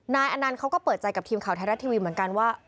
อนันต์เขาก็เปิดใจกับทีมข่าวไทยรัฐทีวีเหมือนกันว่า